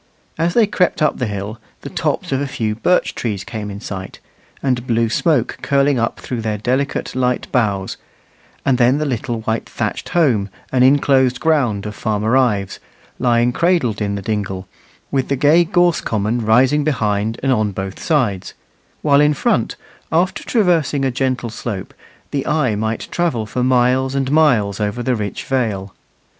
As they crept up the hill the tops of a few birch trees came in sight, and blue smoke curling up through their delicate light boughs; and then the little white thatched home and inclosed ground of Farmer Ives, lying cradled in the dingle, with the gay gorse common rising behind and on both sides; while in front, after traversing a gentle slope, the eye might travel for miles and miles over the rich vale.